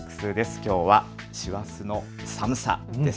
きょうは師走の寒さです。